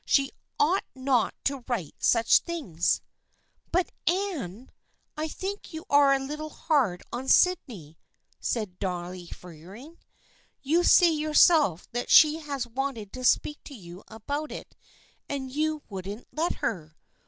She ought not to write such things." " But, Anne, I think you are a little hard on Sydney," said Dolly Fearing. " You say yourself that she has wanted to speak to you about it and you wouldn't let her.